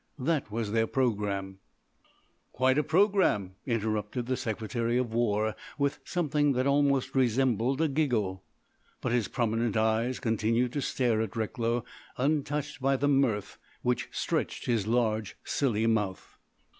That was their programme——" "Quite a programme," interrupted the Secretary of War, with something that almost resembled a giggle. But his prominent eyes continued to stare at Recklow untouched by the mirth which stretched his large, silly mouth.